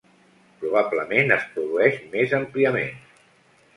Probablement es produeix més àmpliament.